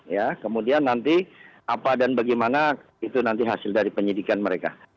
ya kemudian nanti apa dan bagaimana itu nanti hasil dari penyidikan mereka